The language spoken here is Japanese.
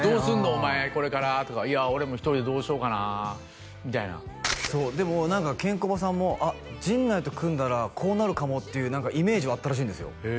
お前これから」とか「いや俺も１人でどうしようかな」みたいなそうでも何かケンコバさんも陣内と組んだらこうなるかもっていうイメージはあったらしいんですよ